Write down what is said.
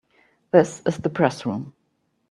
This is the Press Room.